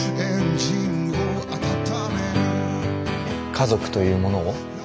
家族というものを？